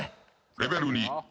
レベル２。